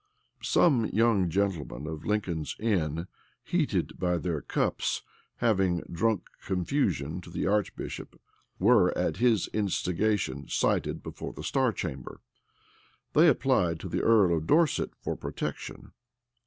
Some young gentlemen of Lincoln's Inn, heated by their cups, having drunk confusion to the archbishop, were at his instigation cited before the star chamber. They applied to the earl of Dorset for protection.